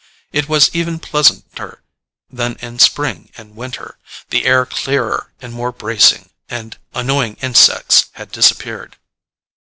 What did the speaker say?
It was even pleasanter than in spring and winter, the air clearer and more bracing, and annoying insects had disappeared.